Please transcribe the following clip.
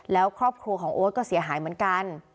แล้วครอบครัวของโอ๊ตก็เสียหายเหมือนกัน